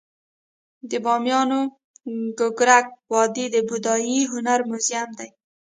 د بامیانو ککرک وادي د بودايي هنر موزیم دی